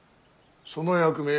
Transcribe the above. その役目